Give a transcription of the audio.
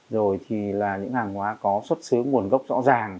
rồi thì là những hàng hóa có xuất xứ nguồn gốc rõ ràng